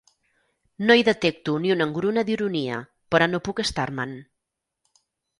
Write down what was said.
No hi detecto ni una engruna d'ironia, però no puc estar-me'n.